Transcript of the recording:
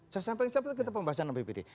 saya sampaikan seperti itu kita pembahasan sama bpd